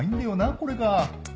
これが。